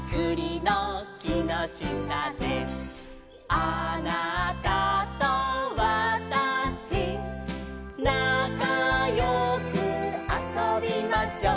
「あなたとわたしなかよくあそびましょう」